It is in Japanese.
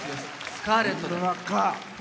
「スカーレット」で。